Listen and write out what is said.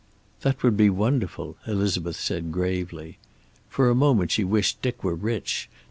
"That would be wonderful," Elizabeth said gravely. For a moment she wished Dick were rich.